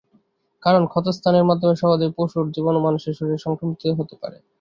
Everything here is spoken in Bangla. কারণ, ক্ষতস্থানের মাধ্যমে সহজেই পশুর জীবাণু মানুষের শরীরে সংক্রমিত হতে পারে।